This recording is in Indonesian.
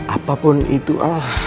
apapun itu alham